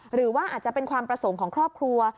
หรือว่าอาจจะเป็นความประสงค์ของครอบครัว